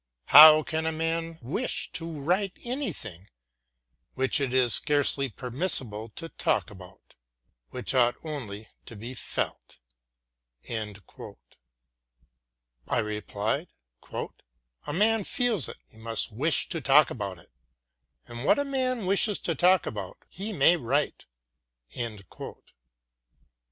"How can a man wish to write anything which it is scarcely permissible to talk about, which ought only to be felt?" I replied: "If a man feels it, he must wish to talk about it, and what a man wishes to talk about he may write."